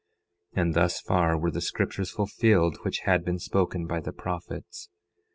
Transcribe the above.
10:11 And thus far were the scriptures fulfilled which had been spoken by the prophets.